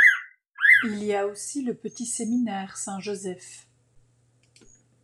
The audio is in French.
Il y a aussi le petit séminaire Saint Joseph.